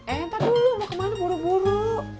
eh entar dulu mau kemana buru buru